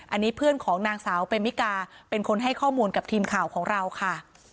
อันนี้เพื่อนของนางสาวเมมิกาเป็นคนให้ข้อมูลกับทีมข่าวของเราค่ะ